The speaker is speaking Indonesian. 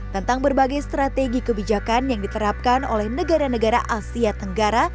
tentang berbagai strategi kebijakan yang diterapkan oleh negara negara asia tenggara